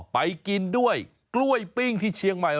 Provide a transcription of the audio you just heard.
ไปกินด้วยกล้วยปิ้งที่เชียงใหม่